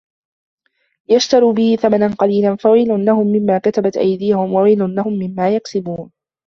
لِيَشْتَرُوا بِهِ ثَمَنًا قَلِيلًا ۖ فَوَيْلٌ لَهُمْ مِمَّا كَتَبَتْ أَيْدِيهِمْ وَوَيْلٌ لَهُمْ مِمَّا يَكْسِبُونَ